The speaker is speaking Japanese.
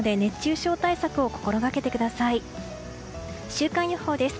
週間予報です。